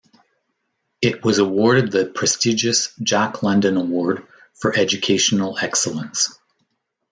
It was awarded the prestigious Jack London Award for Educational Excellence.